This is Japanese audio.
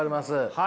はい。